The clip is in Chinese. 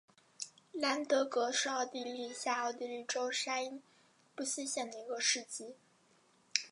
兰德格是奥地利下奥地利州沙伊布斯县的一个市镇。